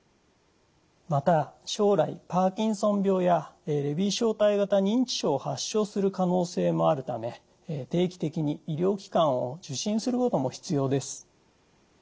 また将来パーキンソン病やレビー小体型認知症を発症する可能性もあるため定期的に医療機関を受診することも必要です。